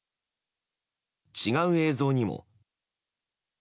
違う映像にも。